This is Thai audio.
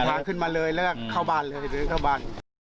เป็นทางขึ้นมาเลยแล้วก็เข้าบ้านเลย